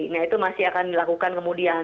nah itu masih akan dilakukan kemudian